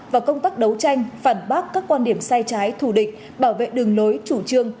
và công tác đấu tranh phản bác các quan điểm sai trái thù địch bảo vệ đường lối chủ trương